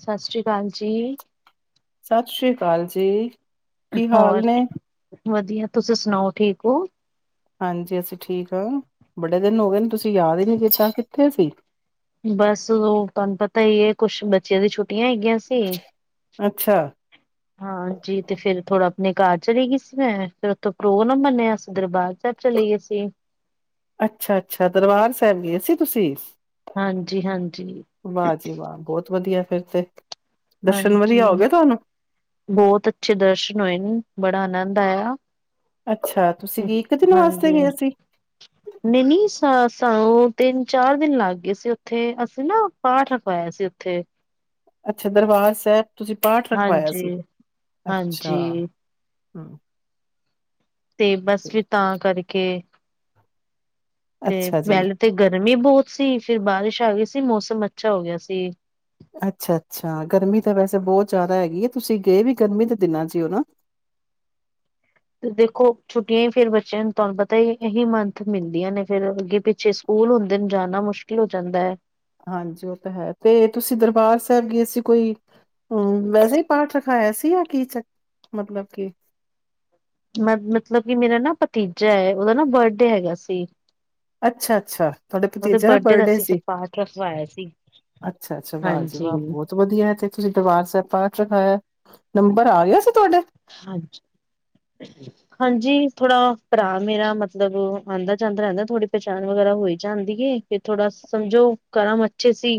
ਸਤਿ ਸ੍ਰੀ ਅਕਾਲ ਜੀ। ਸਤਿ ਸ਼੍ਰੀ ਅਕਾਲ ਜੀ। ਕੀ ਹਾਲ ਹੋਰ, ਨੇ? ਵਧੀਆ ਤੁਸੀਂ ਸੁਣਾਓ ਠੀਕ ਹੋ? ਹਾਂਜੀ ਅਸੀਂ ਠੀਕ ਹਾਂ। ਬੜੇ ਦਿਨ ਹੋ ਗਏਨ ਤੁਸੀਂ ਯਾਦ ਹੀ ਨੀ ਕੀਤਾ। ਕਿੱਥੇ ਸੀ? ਬਸ ਉਹ ਤੁਹਾਨੂੰ ਪਤਾ ਈਏ, ਕੁਛ ਬੱਚਿਆਂ ਦੀ ਛੁੱਟੀਆਂ ਹੈਗੀਆਂ ਸੀ ਅੱਛਾ! [inaudible] ਹਾਂ ਜੀ, ਤੇ ਫਿਰ ਥੋੜਾ ਆਪਣੇ ਘਰ ਚਲੀ ਗਈ ਸੀ ਮੈਂ, ਫਿਰ ਉੱਥੋਂ ਪ੍ਰੋਗਰਾਮ ਬਨਿਆ ਸੀ ਦਰਬਾਰ ਸਾਹਿਬ ਚਲੀ ਗਏ ਸੀ। ਅੱਛਾ-ਅੱਛਾ ਦਰਬਾਰ ਸਾਹਿਬ ਗਏ ਸੀ ਤੁਸੀ? ਹਾਂਜੀ-ਹਾਂਜੀ। ਵਾਹ ਜੀ, ਵਾਹ! ਬਹੁਤ ਵਧੀਆ ਫਿਰ ਤੇ। ਦਰਸ਼ਨ ਵਧੀਆ ਹਾਂਜੀ। ਹੋ ਗਏ ਤੁਹਾਨੂੰ? ਬਹੁਤ ਅੱਛੇ ਦਰਸ਼ਨ ਹੋਏ ਨੇ, ਬੜਾ ਅਨੰਦ ਆਇਆ। ਅੱਛਾ। ਤੁਸੀਂ ਕੀ ਇੱਕ ਦਿਨ ਵਾਸਤੇ ਗਏ ਸੀ? [inaudible] ਨਹੀਂ-ਨਹੀਂ ਸਾ, ਸਾ ਓ ਤਿੰਨ-ਚਾਰ ਦਿਨ ਲੱਗ ਗਏ ਸੀ ਉੱਥੇ, ਅਸੀਂ ਨਾ ਪਾਠ ਰਖਵਾਇਆ ਸੀ ਉੱਥੇ। ਅੱਛਾ ਦਰਬਾਰ ਸਾਹਿਬ ਤੁਸੀਂ ਪਾਠ ਰਖਵਾਇਆ ਸੀ, ਹਾਂਜੀ, ਅੱਛਾ। ਹਾਂਜੀ ਹੂੰ ਤੇ ਬਸ ਫਿਰ ਤਾਂ ਕਰਕੇ, ਤੇ ਅੱਛਾ ਜੀ, ਵਹਿਲ ਤੇ ਗਰਮੀ ਬਹੁਤ ਸੀ, ਫਿਰ ਬਾਰਿਸ਼ ਆ ਗਈ ਸੀ ਮੌਸਮ ਅੱਛਾ ਹੋਗਿਆ ਸੀ। ਅੱਛਾ-ਅੱਛਾ ਗਰਮੀ ਤਾ ਵੈਸੇ ਬਹੁਤ ਜ਼ਿਆਦਾ ਹੈਗੀ ਏ, ਤੁਸੀ ਗਏ ਵੀ ਗਰਮੀ ਦੇ ਦਿਨਾਂ'ਚੀ ਓ ਨਾ। ਤੇ ਦੇਖੋ, ਛੁੱਟੀਆਂ ਹੀ ਫੇਰ ਬੱਚਿਆਂ ਨੂੰ ਤੁਹਾਨੂੰ ਪਤਾ ਈਏ, ਏਹੀ ਮੰਥ ਮਿਲਦੀਆਂ ਨੇ ਫੇਰ ਅੱਗੇ-ਪਿੱਛੇ ਸਕੂਲ ਹੁੰਦੇਨ ਜਾਣਾ ਮੁਸ਼ਕਿਲ ਹੋ ਜਾਂਦਾ ਹੈ। ਹਾਂਜੀ ਉਹ ਤਾ ਹੈ। ਤੇ, ਤੁਸੀਂ ਦਰਬਾਰ ਸਾਹਿਬ ਗਏ ਸੀ ਕੋਈ ਹੂੰ, ਵੈਸੇ ਹੀ ਪਾਠ ਰਖਾਇਆ ਸੀ ਯਾ, ਕੀ'ਚ ਮਤਲਬ ਕੀ? ਮ, ਮਤਲਬ ਕਿ ਮੇਰਾ ਨਾ ਭਤੀਜਾ ਏ, ਉਹਦਾ ਨਾ ਬਰਡੇ ਹੈਗਾ ਸੀ। ਅੱਛਾ-ਅੱਛਾ, ਤੁਹਾਡੇ ਉਹਦੇ ਭਤੀਜੇ ਨਾ ਦਾ ਬਰਡੇ ਅਸੀਂ ਫਿਰ ਸੀ। ਪਾਠ ਰਖਵਾਇਆ ਸੀ ਅੱਛਾ-ਅੱਛਾ, ਵਾਹ ਜੀ ਹਾਂਜੀ। ਵਾਹ! ਬਹੁਤ ਵਧੀਆ ਏ ਤੇ, ਤੁਸੀ ਦਰਬਾਰ ਸਾਹਿਬ ਪਾਠ ਰਖਾਇਆ ਨੰਬਰ ਆਗਿਆ ਸੀ, ਤੁਹਾਡੇ? ਹਾਂਜੀ। ਹਾਂਜੀ। ਥੋੜਾ ਭਰਾ ਮੇਰਾ ਮਤਲਬ ਆਂਦਾ-ਜਾਂਦਾ ਰਹਿੰਦਾ, ਥੋੜੀ ਪਹਿਚਾਣ ਵਗੈਰਾ ਹੋਈ ਜਾਂਦੀ ਏ। ਤੇ, ਥੋੜਾ ਸਮਝੋ ਕਰਮ ਅੱਛੇ ਸੀ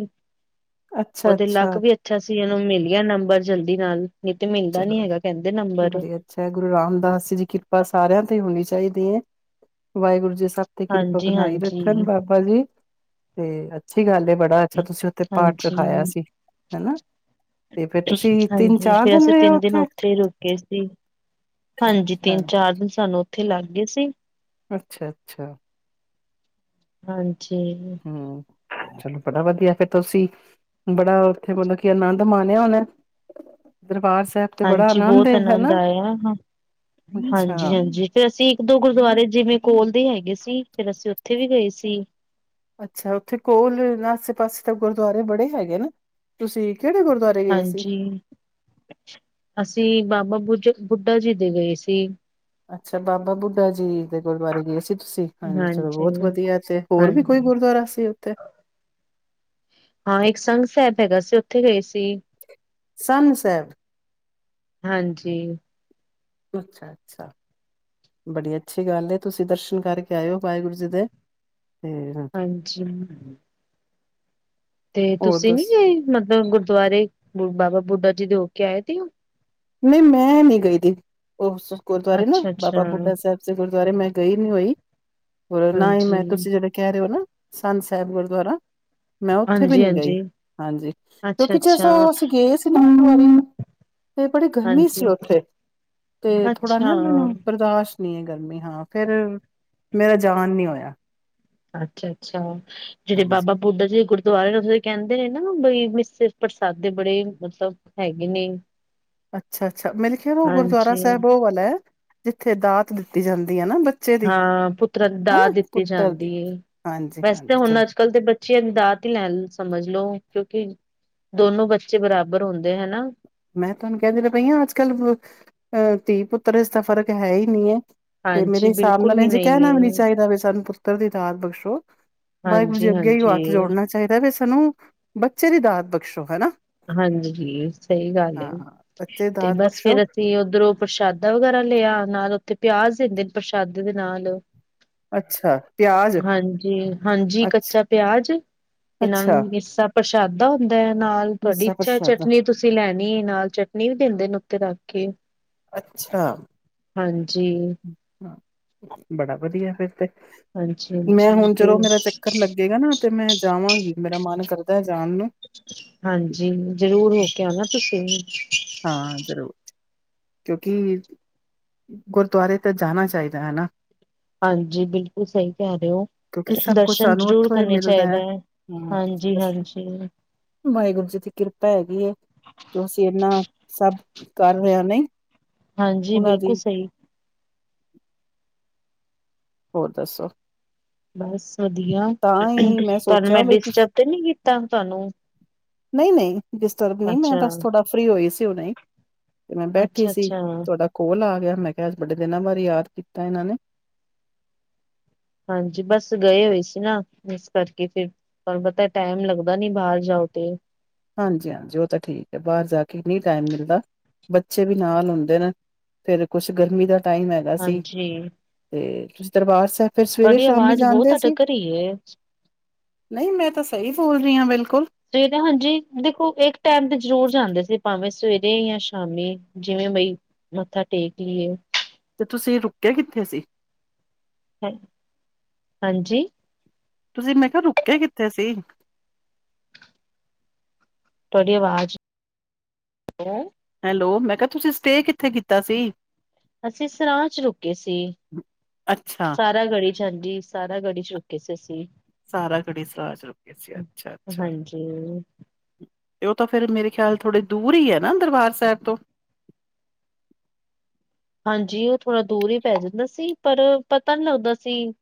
ਉਹਦੇ ਲੱਕ ਅੱਛਾ-ਅੱਛਾ ਵੀ ਅੱਛਾ ਸੀ ਓਹਨੂੰ ਮਿਲਗਿਆ ਨੰਬਰ ਜਲਦੀ ਨਾਲ, ਨਹੀਂ ਤੇ ਮਿਲਦਾ ਨੀ ਹੈਗਾ ਕਹਿੰਦੇ ਨੰਬਰ। ਅਛਾ ਗੁਰੂ ਰਾਮਦਾਸ ਜੀ ਦੀ ਕਿਰਪਾ ਸਾਰਿਆਂ ਤੇ ਈ ਹੋਣੀ ਚਾਹੀਦੀ ਏ, ਵਾਹਿਗੁਰੂ ਜੀ ਸਭ ਤੇ ਕਿਰਪਾ ਹਾਂਜੀ ਬਣਾਈ ਹਾਂਜੀ ਰੱਖਣ ਬਾਬਾ ਜੀ, ਤੇ ਅੱਛੀ ਗੱਲ ਏ, ਬੜਾ ਅੱਛਾ ਤੁਸੀ ਤੇ ਪਾਠ ਹਾਂਜੀ ਰੱਖਾਇਆ ਸੀ, ਹੈਨਾ ਤੇ ਫੇਰ ਤੁਸੀ ਤਿੰਨ-ਚਾਰ ਅਸੀ ਤਿੰਨ ਦਿਨ ਉੱਥੇ ਹੀ ਰੁਕੇ ਸੀ। ਹਾਂਜੀ ਤਿੰਨ-ਚਾਰ ਦਿਨ ਸਾਨੂੰ ਉੱਥੇ ਲੱਗਗੇ ਸੀ। ਅੱਛਾ-ਅੱਛਾ। ਹਾਂਜੀ। ਹੂੰ, ਚਲੋ ਬੜਾ ਵਧੀਆ ਫੇਰ ਤੁਸੀ ਬੜਾ ਉੱਥੇ ਮਤਲਬ ਕਿ ਅਨੰਦ ਮਾਣਿਆ ਹੋਣਾ, ਦਰਬਾਰ ਸਾਹਿਬ। ਤੇ ਬੜਾ ਹਾਂਜੀ, ਬਹੁਤ ਏ ਹਨਾ। ਆਨੰਦ ਆਇਆ। ਅੱਛਾ, ਹਾਂਜੀ-ਹਾਂਜੀ। ਫੇਰ ਅਸੀਂ ਇੱਕ-ਦੋ ਗੁਰਦੁਆਰੇ, ਜਿਵੇਂ ਕੋਲਦੇ ਹੈਗੇ ਸੀ, ਫੇਰ ਅਸੀਂ ਉੱਥੇ ਵੀ ਗਏ ਸੀ‌। ਅੱਛਾ ਉੱਥੇ ਕੋਲ, ਆਸੇ-ਪਾਸੇ ਤਾਂ ਗੁਰਦੁਆਰੇ ਬੜੇ ਹੈਗੇ ਨਾ, ਤੁਸੀ ਕਿਹੜੇ ਗੁਰਦੁਆਰੇ ਗਏ ਸੀ? ਹਾਂਜੀ ਅਸੀਂ ਬਾਬਾ ਬੁਜਾ ਬੁੱਢਾ ਜੀ ਦੇ ਗਏ ਸੀ। ਅੱਛਾ ਬਾਬਾ ਬੁੱਢਾ ਜੀ ਦੇ ਗੁਰਦੁਆਰੇ ਗਏ ਸੀ ਤੁਸੀਂ ਹਾਂਜੀ ਚਲੋ ਬਹੁਤ ਵਧੀਆ ਤੇ ਹੋਰ ਹਾਂ ਵੀ ਕੋਈ ਗੁਰਦੁਆਰਾ ਸੀ ਉੱਥੇ ਹਾਂ ਇੱਕ ਸੰਘ ਸਾਹਿਬ ਹੈਗਾ ਸੀ ਉੱਥੇ ਗਏ ਸੀ। ਸੰਨ ਸਾਹਿਬ ਹਾਂਜੀ। ਅੱਛਾ - ਅੱਛਾ ਬੜੀ ਅੱਛੀ ਗੱਲ ਹੈ ਤੁਸੀਂ ਦਰਸ਼ਨ ਕਰਕੇ ਆਇਓ ਵਾਹਿਗੁਰੂ ਜੀ ਦੇ। ਤੇ ਹਾਂਜੀ। ਤੇ ਹੋਰ ਤੁਸੀਂ ਨੀ ਦੱਸ ਇਹ ਮਤਲਬ ਗੁਰਦੁਆਰੇ ਬਾਬਾ ਬੁੱਢਾ ਜੀ ਦੇ ਹੋ ਕੇ ਆਏ ਸੀ ਹੋ ਨਹੀਂ ਮੈਂ ਨੀ ਗਈ ਦੀ ਉਸ ਗੁਰਦੁਆਰੇ ਨਾ ਅੱਛਾ, ਅੱਛਾ ਬਾਬਾ ਬੁੱਢਾ ਸਾਹਿਬ ਗੁਰਦੁਆਰੇ ਮੈਂ ਗਈ ਨੀ ਹੋਈ ਹੋਰ ਨਾ ਹੀ ਹਾਂਜੀ, ਮੈਂ ਤੁਸੀਂ ਜਿਹੜੇ ਕਹਿ ਰਹੇ ਹੋ ਨਾ ਸੰਨ ਸਾਹਿਬ ਗੁਰਦੁਆਰਾ ਮੈਂ ਉੱਥੇ ਵੀ ਹਾਂਜੀ, ਨੀ ਗਈ ਹਾਂਜੀ ਹਾਂਜੀ ਅੱਛਾ, ਕਿਉਂਕਿ ਜੇ ਸੋ ਅੱਛਾ ਅਸੀਂ ਗਏ ਸੀ ਨ ਵਾਰੀ ਨੂੰ ਤੇ ਬੜੀ ਗਰਮੀ ਸੀ ਹਾਂਜੀ, ਉੱਥੇ ਤੇ ਥੋੜਾ ਅੱਛਾ, ਨਾ ਮੈਨੂੰ ਬਰਦਾਸ਼ਤ ਨ ਗਰਮੀ ਹਾਂ ਫੇਰ ਮੇਰਾ ਜਾਨ ਨੀ ਹੋਇਆ। ਅੱਛਾ -ਅੱਛਾ ਜਿਹੜੇ ਹਾਂਜੀ ਬਾਬਾ ਬੁੱਢਾ ਜੀ ਗ ਦੁਆ ਕਹਿੰਦੇ ਨੇ ਨਾ ਬਈ ਮ ਪ੍ਰਸਾਦੇ ਬੜੇ ਮਤਲਬ ਹੈਗੇ ਨੇ ਅੱਛਾ- ਅੱਛਾ ਮੇ ਖਿਆਲ ਉਹ ਗੁਰਦੁਆਰਾ ਹਾਂਜੀ ਸਾਹਿਬ ਉਹ ਵਾਲਾ ਹੈ ਜਿੱਥੇ ਦਾਤ ਦਿੱਤੀ ਜਾਂਦੀ ਹੈ ਨਾ ਬੱਚੇ ਦੀ ਹਾਂ ਪੁੱਤਰਾਂ ਦੀ ਦਾ ਹਨਾ ਦਿੱਤੀ ਪੁੱਤਰ ਦੀ ਜਾਂਦੀ ਹੈ ਹਾਂਜੀ ਵੈਸੇ ਤਾਂ ਹਾਂਜੀ ਹੁਣ ਚਲੋ ਅੱਜ ਕੱਲ੍ਹ ਦੇ ਬੱਚੀ ਦੀ ਦਾਤ ਹੀ ਲੈਣ ਸਮਝ ਲੋਓ ਕਿਉਂਕਿ ਦੋਨੋ ਬੱਚੇ ਬਰਾਬਰ ਹੁੰਦੇ ਹਨਾ। ਮੈਂ ਤੁਹਾਨੂੰ ਕਹਿਦੀ ਪਈ ਅੱਜ ਕੱਲ ਧੀ ਪੁੱਤਰ ਇਸਦਾ ਫ਼ਰਕ ਹੈ ਹੀ ਨਹੀਂ ਹੈ। ਤੇ ਮੇਰੇ ਹਾਂਜੀ ਹਿਸਾਬ ਬਿਲਕੁਲ ਨਾਲ ਵੀ ਇੰਝੇ ਨਹੀਂ ਕਹਿਣਾ ਹੈ ਵੀ ਨੀ ਚਾਹੀਦਾ ਵੀ ਸਾਨੂੰ ਪੁੱਤਰ ਦੀ ਦਾਤ ਬਖਸ਼ੋ। ਵਾਹਿਗੁਰੂ ਜੀ ਹਾਂਜੀ ਅੱਗੇ ਹੀ ਹਾਂਜੀ ਹੱਥ ਜੋੜਨਾ ਚਾਹੀਦਾ ਵੀ ਸਾਨੂੰ ਬੱਚੇ ਦੀ ਦਾਤ ਬਖਸ਼ੋ ਹਨਾ। ਹਾਂਜੀ ਸਹੀ ਗੱਲ ਹਾਂ ਬੱਚੇ ਤੇ ਦਾਤ ਬਸ ਬਖਸ਼ੋ ਫੇਰ। ਤੇ ਉਧਰੋਂ ਪ੍ਰਸ਼ਾਦਾ ਵਗੈਰਾ ਲਿਆ ਨਾਲ ਉੱਥੇ ਪਿਆਜ ਦਿੰਦੇ ਨੇ ਪ੍ਰਸ਼ਾਦੇ ਦੇ ਨਾਲ। ਅੱਛਾ ਪਿਆਜ ਹਾਂਜੀ- ਹਾਂਜੀ ਅੱਛ ਕੱਚਾ ਪਿਆਜ ਤੇ ਨਾਲ ਅੱਛਾ ਮੀਸਾ ਪ੍ਰਸ਼ਾਦਾ ਹੁੰਦਾ ਹੈ ਨਾਲ ਤੁਹਾਡੀ ਮਿੱਸਾ ਇੱਛਾ ਪ੍ਰਸ਼ਾਦਾ ਚਟਨੀ ਤੁਸੀਂ ਲੈਣੀ ਨਾਲ ਚਟਨੀ ਵੀ ਦਿੰਦੇ ਨੇ ਉੱਤੇ ਰੱਖ ਕੇ। ਅੱਛਾ। ਹਾਂਜੀ। ਬੜਾ ਵਧੀਆ ਫੇਰ ਤੇ ਹਾਂਜੀ ਮੈਂ ਹੁਣ ਹਾਂਜੀ ਤੇ ਜਦੋ ਮੇਰਾ ਚੱਕਰ ਲੱਗੇਗਾ ਨਾ ਤੇ ਮੈਂ ਜਾਵਾਂਗੀ ਮੇਰਾ ਮਨ ਕਰਦਾ ਹੈ ਜਾਣ ਨੂੰ। ਹਾਂਜੀ ਜ਼ਰੂਰ ਹੋ ਕੇ ਨਾ ਤੁਸੀਂ ਹਾਂ ਜ਼ਰੂਰ ਕਿਉਂਕਿ ਗੁਰਦੁਆਰੇ ਤੇ ਜਾਣਾ ਚਾਹੀਦਾ ਹੈ ਨਾ। ਹਾਂਜੀ ਬਿਲਕੁਲ ਸਹੀ ਕਹਿ ਰਹੇ ਹੋ ਕਿਉਂਕਿ ਸਭ ਕੁਛ ਦਰਸ਼ਨ ਸਾਨੂੰ ਜ਼ਰੂਰ ਉੱਥੋਂ ਹੀ ਕਰਨੇ ਮਿਲਦਾ ਚਾਹੀਦਾ ਹੈ। ਹਾਂ ਹਾਂਜੀ- ਹਾਂਜੀ। ਵਾਹਿਗੁਰੂ ਜੀ ਦੀ ਕਿਰਪਾ ਹੈਗੀ ਹੈ ਜੋ ਅਸੀਂ ਇਨਾ ਸਭ ਕਰ ਰਹੇ ਹਾਂ ਨਹੀਂ। ਹਾਂਜੀ ਉਹਨਾਂ ਦੀ ਬਿਲਕੁਲ ਸਹੀ। ਹੋਰ ਦੱਸੋ ਬਸ ਵਧੀਆ। ਤਾਂ ਹੀ ਤੁਹਾਨੂੰ ਸੋਚਿਆ ਮੈਂ ਬਈ ਤੁ ਡਿਸਟਰਬ ਤੇ ਨੀ ਕੀਤਾ। ਤੁਹਾਨੂੰ ਨਹੀਂ- ਨਹੀਂ। ਡਿਸਟਰਬ ਨਹੀਂ ਮੈਂ ਅੱਛਾ ਬਸ ਥੋੜਾ ਫ੍ਰਰੀ ਹੋਈ ਸੀ ਤੇ ਮੈਂ ਬੈਠੀ ਅੱਛਾ ਸੀ ਅੱਛਾ ਥੋਡਾ ਕੋਲ ਆ ਗਿਆ ਮੈਂ ਕਿਹਾ ਵੱਡੇ ਦਿਨਾਂ ਬਾਰੇ ਯਾਦ ਕੀਤਾ ਇਹਨਾਂ ਨੇ। ਹਾਂਜੀ। ਪੋ ਬਸ ਗਏ ਹੋਏ ਸੀ ਨਾ ਇਸ ਕਰਕੇ ਫਿਰ ਪਰ ਪਤਾ ਟਾਈਮ ਲੱਗਦਾ ਨੀ ਬਾਹਰ ਜਾਓ ਤੇ। ਹਾਂਜੀ- ਹਾਂਜੀ ਉਹ ਤਾਂ ਠੀਕ ਹੈ। ਬਾਹਰ ਜਾ ਕੇ ਨਹੀਂ ਟਾਈਮ ਮਿਲਦਾ ਬੱਚੇ ਵੀ ਨਾਲ ਹੁੰਦੇ ਨੇ। ਫਿਰ ਕੁਛ ਗਰਮੀ ਦਾ ਟਾਈਮ ਹੈਗਾ ਸੀ ਹਾਂਜੀ ਤੇ ਤੁਸੀਂ ਦਰਬਾਰ ਸਾਹਿਬ ਫਿਰ ਸਵੇਰੇ ਤੁਹਾਡੀ ਸ਼ਾਮੀ ਆਵਾਜ਼ ਬਹੁਤ ਜਾਂਦੇ ਸੀ। ਅਟਕ ਰਹੀ ਹੈ ਨਹੀਂ ਮੈਂ ਤਾਂ ਸਹੀ ਬੋਲ ਰਹੀ ਹਾਂ। ਬਿਲਕੁਲ ਸਵੇਰੇ ਹਾਂਜੀ ਦੇਖੋ ਇੱਕ ਟਾਈਮ ਤੇ ਜ਼ਰੂਰ ਜਾਂਦੇ ਸੀ ਭਾਵੇਂ ਸਵੇਰੇ ਸਰੇ ਜਾਂ ਸ਼ਾਮੀ ਜਿਵੇਂ ਬਈ ਮੱਥਾ ਟੇਕ ਲਈਏ। ਤੇ ਤੁਸੀਂ ਰੁਕਿਆ ਕਿੱਥੇ ਸੀ। ਹੈ ਹਾਂਜੀ। ਤੁਸੀਂ ਮੈਂ ਕਿਹਾ ਰੁਕੇ ਕਿੱਥੇ ਸੀ। ਤੁਹਾਡੀ ਆਵਾਜ਼। ਹੈ। ਹੈਲੋ ਮੈਂ ਕਿਹਾ ਤੁਸੀਂ ਸਟੇ ਕਿੱਥੇ ਕੀਤਾ ਸੀ। ਅਸੀਂ ਸਰਾਂ ਚ ਰੁਕੇ ਸੀ ਸਾਰੇ। ਅੱਛਾ ਸਾਰਾ ਗੜੀ ਚ ਹਾਂਜੀ ਸਾਰਾ ਗੜੀ ਚ ਰੁਕੇ ਸੀ ਅਸੀਂ। ਸਾਰਾ ਘੜੀ ਸਲਾਜ ਰੁਕੀ ਸੀ ਅੱਛਾ ਅੱਛਾ। ਹਾਂਜੀ ਉਹ ਤਾਂ ਫਿਰੇ ਮੇਰੇ ਖਿਆਲ ਥੋੜੇ ਦੂਰ ਹੀ ਹੈ ਨਾ ਦਰਬਾਰ ਸਾਹਿਬ ਤੋਂ। ਹਾਂਜੀ ਉਹ ਥੋੜ੍ਹਾ ਦੂਰ ਹੀ ਪੈ ਜਾਂਦਾ ਸੀ ਪਰ ਪਤਾ ਨਹੀਂ ਲੱਗਦਾ ਸੀ।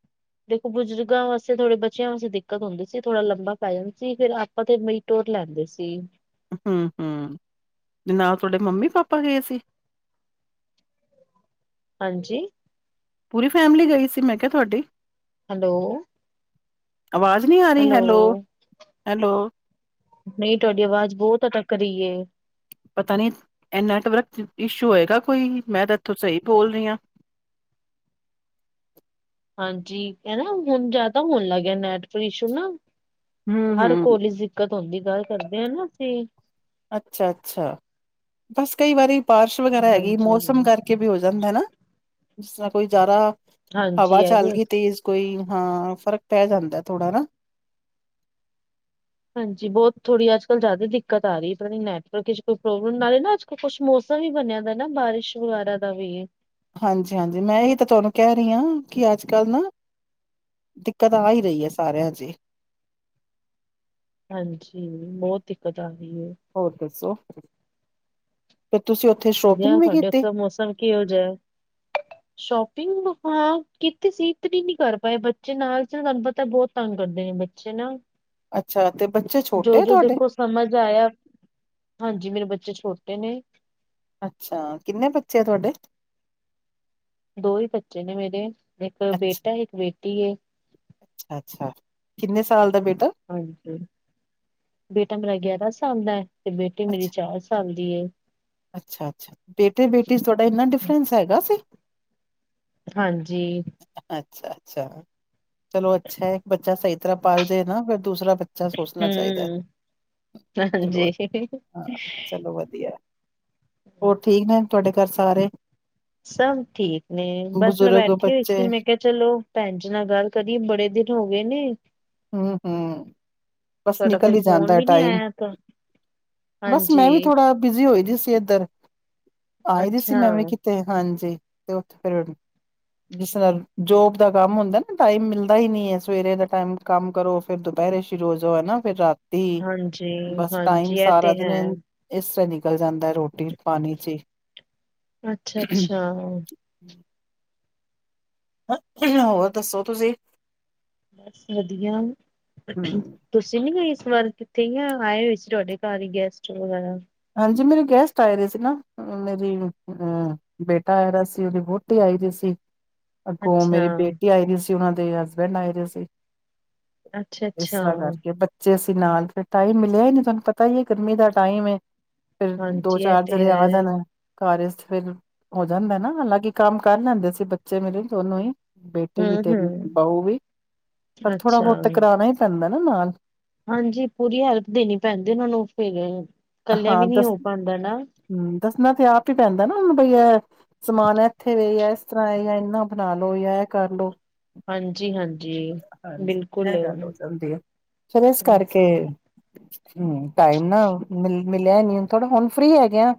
[inaudible] ਦੇਖੋ ਬਜ਼ੁਰਗਾਂ ਵਾਸਤੇ ਥੋੜੇ ਬੱਚਿਆਂ ਵਾਸਤੇ ਦਿੱਕਤ ਹੁੰਦੀ ਸੀ ਥੋੜਾ ਲੰਬਾ ਪੈ ਜਾਂਦਾ ਸੀ ਫਿਰ ਆਪਾਂ ਤੇ ਟੁੂਰ ਲੈਂਦੇ ਸੀ ਹੂੰ ਹੂੰ ਨਾਲ ਤੁਹਾਡੇ ਮੰਮੀ ਪਾਪਾ ਗਏ ਸੀ। ਹਾਂਜੀ ਪੂਰੀ ਫੈਮਿਲੀ ਗਈ ਸੀ, ਮੈਂ ਕਿਆ ਤੁਹਾਡੀ। ਹੈਲੋ ਆਵਾਜ਼ ਨੀਂ ਆਰੀ ਹੈਲੋ ਹੈਲੋ ਨਹੀਂ ਤੁਹਾਡੀ ਆਵਾਜ਼ ਬਹੁਤ ਅਟੱਕ ਰਹੀ ਏ। ਪਤਾ ਨੀ ਇਹ ਨੈਟਵਰਕ ਇਸ਼ੂ ਹੈਗਾ ਕੋਈ ਮੈਂ ਤਾਂ ਇੱਥੋਂ ਸਹੀ ਬੋਲ ਰਹੀ ਹਾਂ। ਹਾਂਜੀ ਹਨਾ ਹੁਣ ਜਿਆਦਾ ਹੋਣ ਲੱਗ ਗਿਆ ਨੈਟ ਇਸ਼ੂ ਨਾ। ਹੂੰ ਹਰ ਹੂੰ ਕੋਲੀ ਦਿੱਕਤ ਹੁੰਦੀ ਗੱਲ ਕਰਦੇ ਹ ਨਾ ਅਸੀਂ। ਅੱਛਾ ਅੱਛਾ ਬਸ ਕਈ ਵਾਰੀ ਬਾਰਸ਼ ਵਗੈਰਾ ਹੈਗੀ ਮੌਸਮ ਹਾਂਜੀ ਕਰ। ਵੀ ਹੋ ਜਾਂਦਾ ਹਨਾ ਜਿਸ ਤਰ੍ਹਾਂ ਕੋਈ ਜ਼ਿਆਦਾ ਹਾਂਜੀ ਹਵਾ ਇਹ ਚੱਲ ਵੀ ਗਈ ਤੇਜ਼। ਕੋਈ ਹਾਂ ਫ਼ਰਕ ਪੈ ਜਾਂਦਾ ਥੋੜਾ ਨਾ। ਹਾਂਜੀ ਬਹੁਤ ਥੋੜ੍ਹੀ ਅੱਜ ਕੱਲ੍ਹ ਜ਼ਿਆਦਾ ਦਿੱਕਤ ਆ ਰਹੀ ਹੈਰਾਣੀ ਨੈਟਵਰਕ ਵਿੱਚ ਕੋਈ ਪ੍ਰੋਬਲਮ ਨਾ ਰਹੇ ਨਾ ਅੱਜ। ਕੁੱਛ ਮੌਸਮ ਵੀ ਬਣਿਆ ਦਾ ਨਾ ਬਾਰਿਸ਼ ਵਗੈਰਾ ਦਾ ਵੀ। ਹਾਂਜੀ ਹਾਂਜੀ ਮੈਂ ਇਹ ਤਾਂ ਤੁਹਾਨੂੰ ਕਹਿ ਰਹੀ ਹਾਂ ਕਿ ਅੱਜ ਕੱਲ੍ਹ ਨਾ। ਦਿੱਕਤ ਆ ਹੀ ਰਹੀ ਹੈ ਸਾਰਿਆਂ ਚ। ਹਾਂਜੀ ਬਹੁਤ ਦਿੱਕਤ ਆ ਰਹੀ। ਹੋਰ ਦੱਸੋ ਤੁਸੀਂ ਉੱਥੇ ਸ਼ੋਪਿੰਗ ਵੀ ਕੀਤੀ। ਕਿ ਹੋ ਜਾਏ। ਸ਼ੋਪਿੰਗ ਹਾਂ ਕਿ ਕੀਤੀ ਸੀ ਇਤਰੀ ਨੀ ਕਰ ਪਾਏ ਬੱਚੇ ਨਾਲ ਤੁਹਾਨੂੰ ਪਤਾ ਬਹੁਤ। ਤੰਗ ਕਰਦੇ ਨੇ ਬੱਚੇ ਨਾ ਅੱਛਾ ਤੇ ਬੱਚੇ ਜੋ ਛੋਟੇ ਆ ਜੋ ਤੁਆਡੇ। ਦੇਖੋ ਸਮਝ ਆਇਆ ਹਾਂਜੀ ਮੇਰੇ ਬੱਚੇ ਛੋਟੇ ਨੇ ਅੱਛਾ ਕਿੰਨੇ ਬੱਚੇ ਆ ਤੁਹਾਡੇ। ਦੋ ਈ ਬੱਚੇ ਨੇ ਮੇਰੇ ਇੱਕ ਅੱਛਾ ਬੇਟਾ ਇੱਕ ਬੇਟੀ ਏ ਅੱਛਾ ਅੱਛਾ ਕਿੰਨੇ ਸਾਲ ਦਾ ਬੇਟਾ ਹਾਂਜੀ ਬੇਟਾ ਮੇਰਾ ਗਿਆਰਾਂ ਸਾਲ ਦਾ ਤੇ ਬੇਟੀ ਮੇਰੀ ਅੱਛਾ ਚਾਰ ਸਾਲ ਦੀ ਏ। ਅੱਛਾ, ਅੱਛਾ ਬੇਟੇ ਬੇਟੀੇ ਚ ਤੁਹਾਡਾ ਇੰਨਾ ਡਿਫਰੈਂਸ ਹੈਗਾ ਸੀ। ਹਾਂਜੀ ਅੱਛਾ, ਅੱਛਾ ਚਲੋ ਅੱਛਾ ਹੈ ਇੱਕ ਬੱਚਾ ਸਈ ਤਰ੍ਹਾਂ ਪਾਲ ਜੇ ਨਾ ਫਿਰ ਦੂਸਰਾ ਬਾ ਅੱਛਾ ਸੋਚਣਾ ਚਾਹੀਦਾ ਹੂੰ, ਚਲੋ ਹਾਂਜੀ। [unintelligible] ਹਾਂ ਚਲੋ ਵਧੀਆ। ਹੋਰ ਠੀਕ ਨੇ ਤੁਹਾਡੇ ਕਰ ਸਾਰੇ। ਸਭ ਠੀਕ ਨੇ ਬਸ ਮੈਂ ਬਜ਼ੁਰਗ ਬੈਠੀ ਹੋਈ ਬੱਚੇ ਇਸੀ ਮੈਂ ਕਿਆ ਚਲੋ ਭੈਣ ਜੀ ਨਾਲ ਗੱਲ ਕਰੀਏ ਬੜੇ ਦਿਨ ਹੋ ਗਏ ਨੇ ਹੂੰ, ਹੂੰ ਬਸ ਤੁਹਾਡਾ ਨਿਕਲ ਫਿਰ ਈ ਜਾਂਦਾ ਫੋਨ ਹੈ ਵੀ ਨੀ ਟਾਈਮ। ਆਇਆ ਤਾਂ ਬਸ ਮੈਂ ਵੀ ਹਾਂਜੀ ਥੋੜਾ ਬਿੱਜੀ ਹੋਈ ਦੀ ਸੀ ਇੱਧਰ ਆਈ ਦੀ ਸੀ ਅੱਛਾ ਮੈਂ ਵੀ ਕਿਤੇ ਤੇ ਹਾਂਜੀ ਤੇ ਉੱਥੇ ਫੇਰ ਜਿਸ ਨਾਲ ਜੋਬ ਦਾ ਕੰਮ ਹੁੰਦਾ ਨਾ ਟਾਈਮ ਮਿਲਦਾ ਈ ਨਈ ਹੈ ਸਵੇਰੇ ਦਾ ਟਾਈਮ ਕੰਮ ਕਰੋ ਫੇਰ ਦੁਪਹਿਰੇ ਸ਼ੁਰੂ ਹੋ ਜਾਓ ਹਨਾ ਫਿਰ ਰਾਤ ਤੇ ਹਾਂਜੀ ਬਸ ਟਾਈਮ ਹਾਂਜੀ ਇਹ ਸਾਰਾ ਤੇ ਹੈ ਦਿਨ ਇਸ ਤਰਾ ਨਿਕਲ ਜਾਂਦਾ ਰੋਟੀ ਪਾਣੀ ਚ ਈ ਅੱਛਾ [unintelligible] ਹੋਰ ਦੱਸੋ ਤੁਸੀਂ ਬਸ ਵਧੀਆ। ਹੂੰ ਤੁਸੀਂ ਨੀ ਗਏ ਇਸ ਵਾਰ ਕਿੱਥੇ ਯਾ ਆਏ ਹੋਏ ਸੀ ਤੁਹਾਡੇ ਘਰ ਈ ਗੈਸਟ ਵਗੈਰਾ। ਹਾਂਜੀ ਮੇਰੇ ਗੈਸਟ ਆਏ ਦੇ ਸੀ ਨਾ। ਮੇਰੀ ਹੂੰ ਬੇਟਾ ਆਯਾ ਦਾ ਸੀ ਉਹਦੀ ਵੋਟੀ ਆਈ ਦੀ ਸੀ। ਅਗੋ ਅੱਛਾ ਮੇਰੀ ਬੇਟੀ ਆਈ ਦੀ ਸੀ ਉਹਨਾਂ ਦੇ ਹਸਬੈਂਡ ਆਏ ਦੇ ਸੀ। ਅੱਛਾ ਇਸ ਅੱਛਾ ਤਰ੍ਹਾਂ ਕਰਕੇ ਬਚੇ ਜੇ ਅਸੀ ਨਾਲ ਫਿਰ ਟਾਈਮ ਮਿਲਿਆ ਹੀ ਨਹੀ ਤੁਹਾਨੂੰ ਪਤਾ ਹੀ ਹੈ। ਗਰਮੀ ਦਾ ਟਾਈਮ ਏ। ਫਿਰ ਦੋ ਹਾਂਜੀ ਇਹ ਚਾਰ ਤੇ ਜਣੇ ਆ ਹੈ ਜਾਣਾ। ਕਾਰਜ ਫਿਰ ਹੋ ਜਾਦਾ ਨਾ ਹਾਲਾਂਕਿ ਕੰਮ ਕਰ ਲੈਦੇ ਸੀ ਬੱਚੇ ਮੇਰੇ ਦੋਨੋ ਹੀ। ਬੇਟੀ ਹੂੰ ਵੀ ਤੇਰੀ ਹੂੰ ਬਊ ਵੀ ਪਰ ਥੋੜਾ ਬਹੁਤਾ ਅੱਛਾ ਕਰਾਉਣਾ ਹੀ ਪੈਦਾ ਨਾ ਨਾਲ। ਹਾਂਜੀ ਪੂਰੀ ਹੈਲਪ ਦੇਣੀ ਪੈਦੀ ਉਹਨਾ ਨੂੰ ਫੇਰ ਹਾਂ ਦੱਸ ਹੂੰ ਦੱਸਣਾ ਤੇ ਆਪ ਹੀ ਪੈਂਦਾ ਨਾ ਹੁਣ ਬਈ ਇਹ ਸਮਾਨ ਇੱਥੇ ਵੇ ਆ ਇਸ ਤਰ੍ਹਾਂ ਏ ਯਾ ਏਨਾ ਬਣਾ ਲੋ ਜਾਂ ਇਹ ਕਰ ਲੋ ਹਾਂਜੀ, ਹਾਂਜੀ ਹਾਂਜੀ ਬਿਲਕੁਲ ਇਹ ਗੱਲ ਹੋ ਜਾਂਦੀ ਆ ਫਿਰ ਇਸ ਕਰਕੇ ਹਾਂਜੀ ਹੂੰ ਟਾਈਮ ਨਾ ਮਿਲ ਮਿਲਿਆ ਨੀ ਹੁਣ ਥੋੜ੍ਹਾ ਹੁਣ ਫਰੀ ਹੈਗੇ ਆ।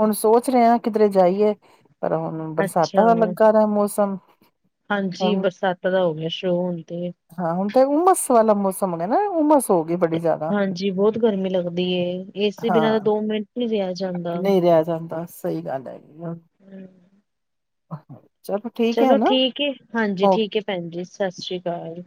ਹੁਣ ਸੋਚ ਰਿਆ ਕਿਧਰੇ ਜਾਈਏ ਪਰ ਹੁਣ ਅੱਛਾ ਬਰਸਾਤਾਂ ਦਾ ਲੱਗਾ ਰਾ ਮੌਸਮ। ਹਾਂਜੀ ਹੁਣ ਬਰਸਾਤਾਂ ਦਾ ਹੋ ਗਿਆ ਸ਼ੁਰੂ ਹੋਣ ਤੇ ਹਾਂ ਹੁਣ ਤਾਂ ਉਮਸ ਵਾਲਾ ਮੌਸਮ ਗਿਆ ਨਾ ਉਮਸ ਹੋ ਗਈ ਬੜੀ ਜ਼ਿਆਦਾ ਹਾਂਜੀ ਬੋਹਤ ਗਰਮੀ ਲੱਗਦੀ ਏ ਏਸੀ ਬਿਨਾਂ ਤਾਂ ਹਾਂ ਦੋ ਮਿੰਟ ਨੀ ਰਿਆ ਜਾਂਦਾ। ਨਹੀਂ ਰਿਹਾ ਜਾਂਦਾ ਸਹੀ ਗੱਲ ਹੈਗੀ ਹਮ, ਚਲ ਚਲੋ ਠੀਕ ਏ ਹਾਂਜੀ ਠੀਕ ਏ ਭੈਣ ਜੀ ਸਤਿ ਸ਼੍ਰੀ ਅਕਾਲ।